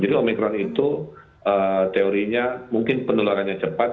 jadi omicron itu teorinya mungkin penularannya cepat